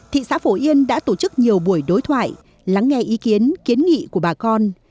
thị xã phổ yên đã tổ chức nhiều buổi đối thoại lắng nghe ý kiến kiến nghị của bà con